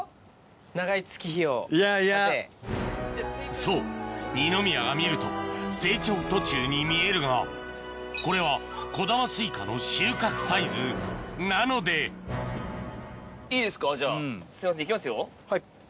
そう二宮が見ると成長途中に見えるがこれは小玉スイカの収穫サイズなのでいいですかじゃあすいません行きますよ。